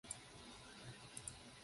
宋史演义共有一百回。